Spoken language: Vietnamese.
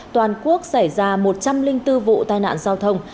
toàn quốc xảy ra một trăm linh bốn vụ tai nạn giao thông